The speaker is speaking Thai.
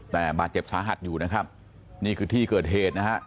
แต่บาดเจ็บสาหัสอยู่นะครับนี่คือที่เกิดเหตุนะฮะ